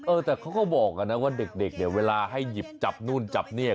เออแต่เขาก็บอกอ่ะนะว่าเด็กเนี่ยเวลาให้หยิบจับนู่นจับนี่